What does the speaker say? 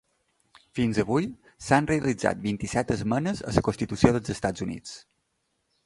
Fins avui, s'han realitzat vint-i-set esmenes a la Constitució dels Estats Units.